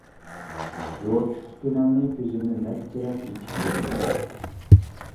يورۇقلۇققا كۆنەلمەي كۆزۈمنى نەچچە رەت ئىچىپ يۇمدۇم.